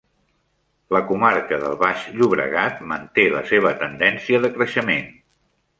La comarca del baix Llobregat manté la seva tendència de creixement.